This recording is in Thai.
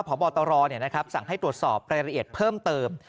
พบตรสั่งให้ตรวจสอบรายละเอียดเพิ่มเติม